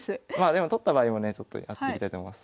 でも取った場合もねやっていきたいと思います。